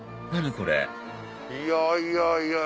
これいやいやいや。